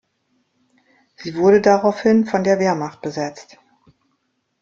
Sie wurde daraufhin von der Wehrmacht besetzt.